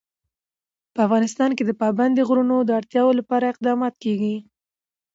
په افغانستان کې د پابندي غرونو د اړتیاوو لپاره اقدامات کېږي.